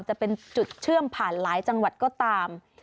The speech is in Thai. จะเป็นจุดเชื่อมผ่านหลายจังหวัดก็ตาม